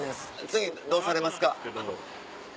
次どうされますか？